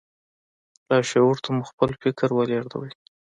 لاشعور ته مو خپل فکر ولېږدوئ.